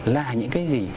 là những cái gì